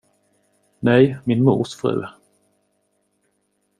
Nej, min mors fru.